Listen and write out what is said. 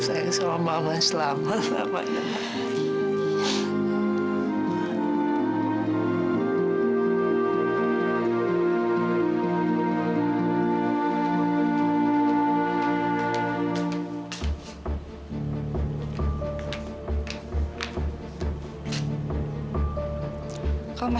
aku gak tahu harus bilang apa sama mama